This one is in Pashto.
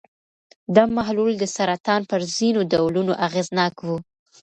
دا محلول د سرطان پر ځینو ډولونو اغېزناک و.